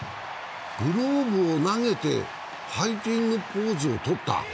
グローブを投げてファイティングポーズをとった。